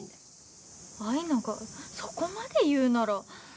愛奈がそこまで言うなら